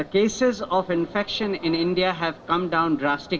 kesan infeksi di india telah menurun drastis